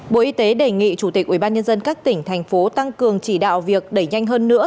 bộ y tế đề nghị chủ tịch ubnd các tỉnh thành phố tăng cường chỉ đạo việc đẩy nhanh hơn nữa